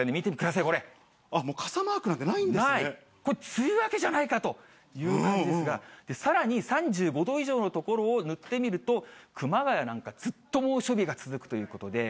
梅雨明けじゃないかという感じですが、さらに３５度以上の所を塗ってみると、熊谷なんかずっと猛暑日が続くということで。